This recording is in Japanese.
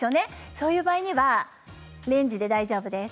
そういう場合にはレンジで大丈夫です。